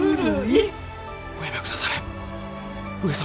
おやめ下され上様。